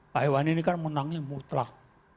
pak iwan ini kan menangnya mutlak